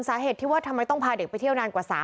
เมื่อวานแบงค์อยู่ไหนเมื่อวาน